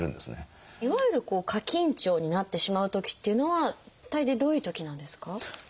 いわゆる過緊張になってしまうときっていうのは大抵どういうときなんですか？